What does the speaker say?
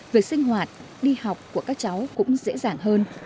việc sinh hoạt đi học của các cháu cũng dễ dàng hơn